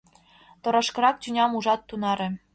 Торашкырак тӱням ужат тунаре.